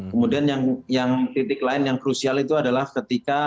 kemudian yang titik lain yang krusial itu adalah ketika